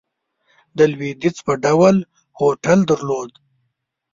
د لوېدیځ په ډول هوټل درلود.